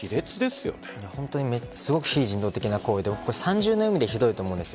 すごく非人道的な行為で三重の意味でひどいと思うんです。